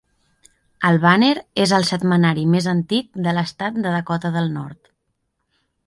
El Banner és el setmanari més antic de l'estat de Dakota del Nord.